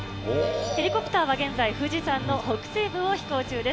ヘリコプターは現在、富士山の北西部を飛行中です。